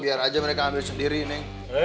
biar aja mereka ambil sendiri nih